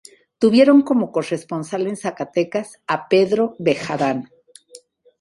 Tuvieron como corresponsal en Zacatecas a Pedro Bejarano.